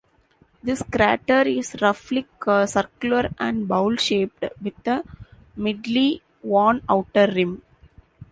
This crater is roughly circular and bowl-shaped, with a mildly worn outer rim.